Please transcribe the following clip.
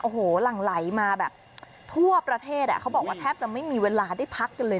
โอ้โหหลั่งไหลมาแบบทั่วประเทศเขาบอกว่าแทบจะไม่มีเวลาได้พักกันเลย